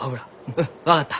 うん分かった。